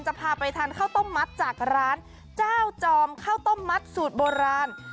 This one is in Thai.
พาไปทานข้าวต้มมัดจากร้านเจ้าจอมข้าวต้มมัดสูตรโบราณ